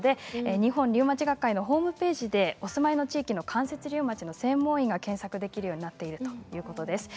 日本リウマチ学会のホームページでお住まいの地域の関節リウマチの専門医が検索できるということです。